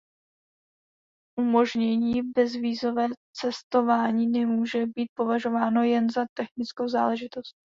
Umožnění bezvízové cestování nemůže být považováno jen za technickou záležitost.